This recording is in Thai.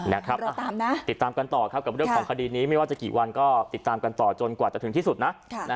เราตามนะติดตามกันต่อครับกับเรื่องของคดีนี้ไม่ว่าจะกี่วันก็ติดตามกันต่อจนกว่าจะถึงที่สุดนะ